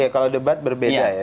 kalau debat berbeda ya